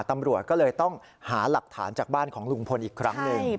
ตำรวจก็เลยต้องหาหลักฐานจากบ้านของลุงพลอีกครั้งหนึ่ง